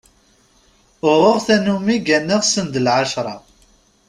Uɣeɣ tanumi gganeɣ send lɛecṛa.